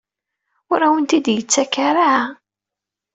Ur awen-ten-id-yettak ara?